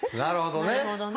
なるほどね！